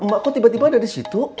mbak kok tiba tiba ada disitu